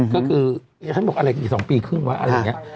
ก็คือท่านบอกอะไรกี่๒ปีครึ่งวะอะไรอย่างนี้